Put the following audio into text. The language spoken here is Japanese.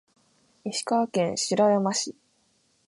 石川県白山市